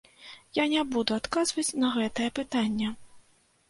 Я не буду адказваць на гэтае пытанне.